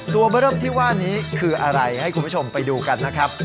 ตัวเบอร์เริ่มที่ว่านี้คืออะไรให้คุณผู้ชมไปดูกันนะครับ